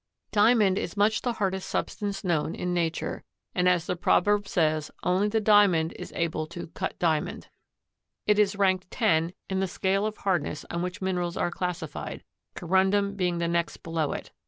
Diamond is much the hardest substance known in Nature, and as the proverb says only the Diamond is able to "cut Diamond." It is ranked 10 in the scale of hardness on which minerals are classified, corundum being the next below it.